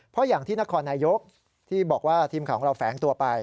เพราะอย่างที่นครนายกที่บอกว่าทีมข่าวของเราแฝงตัวไป